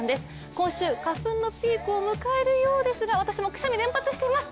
今週、花粉のピークを迎えるようですが私もくしゃみ連発しています。